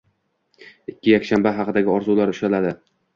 Ikki yakshanba haqidagi orzulari ushaladi.